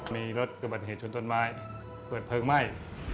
มีรถอุบัติเหตุชนต้นไม้เปิดเพลิงไหม้